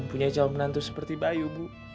punya calon menantu seperti bayu bu